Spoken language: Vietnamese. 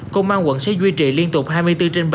công an tp hcm sẽ duy trì liên tục hai mươi bốn trên bảy